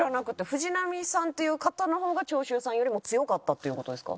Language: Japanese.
藤波さんっていう方のほうが長州さんよりも強かったっていう事ですか？